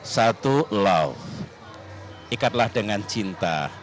satu love ikatlah dengan cinta